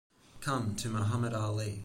Come to Muhammad Ali.